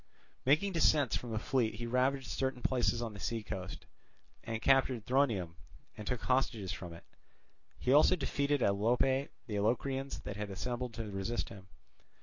Making descents from the fleet he ravaged certain places on the sea coast, and captured Thronium and took hostages from it. He also defeated at Alope the Locrians that had assembled to resist him.